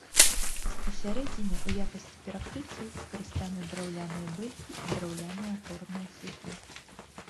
Усярэдзіне ў якасці перакрыццяў скарыстаны драўляныя бэлькі і драўляныя апорныя слупы.